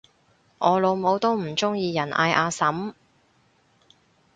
我老母都唔鍾意人嗌阿嬸